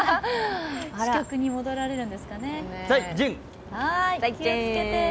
支局に戻られるんですかね。